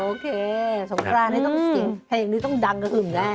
โอเคสงครานนี้ต้องดังกระขึ่งแน่